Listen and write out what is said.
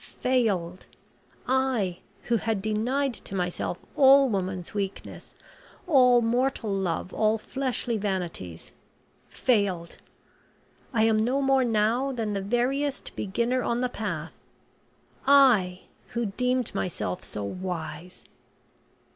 Failed! I, who had denied to myself all woman's weakness, all mortal love, all fleshly vanities failed! I am no more now than the veriest beginner on the path. I, who deemed myself so wise!"